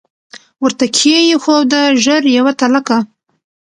ورته کښې یې ښوده ژر یوه تلکه